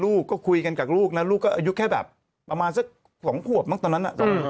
ลูกก็คุยกันกับลูกลูกประมาณสัก๒ฮวบตอนนั้น